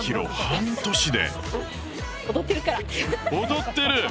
踊ってる！